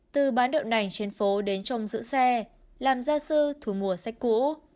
từ bán đậu nành trên phố đến trông giữ xe làm gia sư thú mùa sách cũ